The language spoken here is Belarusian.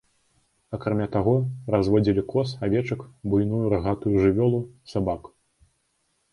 Акрамя таго, разводзілі коз, авечак, буйную рагатую жывёлу, сабак.